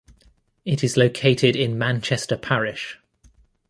It is located in Manchester Parish.